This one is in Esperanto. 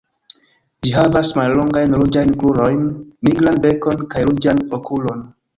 Ĝi havas mallongajn ruĝajn krurojn, nigran bekon kaj ruĝan okulon.